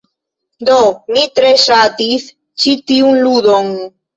Do. Mi tre ŝatis ĉi tiun ludon.